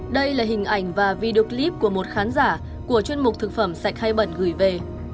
đây là hình ảnh và video clip của một khán giả của chuyên mục thực phẩm sạch hay bẩn gửi về